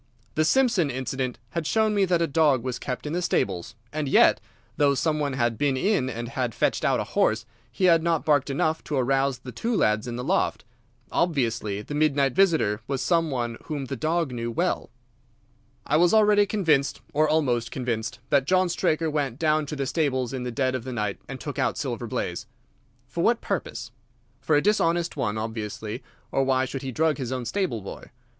The Simpson incident had shown me that a dog was kept in the stables, and yet, though some one had been in and had fetched out a horse, he had not barked enough to arouse the two lads in the loft. Obviously the midnight visitor was some one whom the dog knew well. "I was already convinced, or almost convinced, that John Straker went down to the stables in the dead of the night and took out Silver Blaze. For what purpose? For a dishonest one, obviously, or why should he drug his own stable boy?